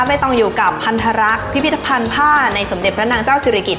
ไม่ต้องอยู่กับพันธรักษ์พิพิธภัณฑ์ผ้าในสมเด็จพระนางเจ้าศิริกิจ